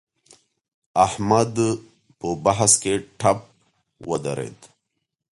احمد په بحث کې ټپ ودرېد.